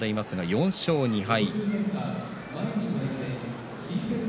４勝２敗。